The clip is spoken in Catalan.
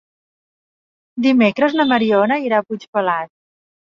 Dimecres na Mariona irà a Puigpelat.